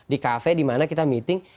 di kafe dimana kita meeting